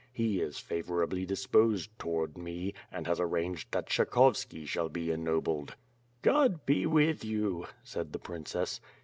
He is favorably dis posed toward me, and has arranged that Kshechovski shall be ennobled." ''God be with you," said the princess.